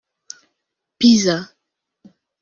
Pizza